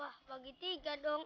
wah bagi tiga dong